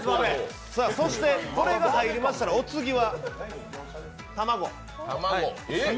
そしてこれが入りましたらお次は卵。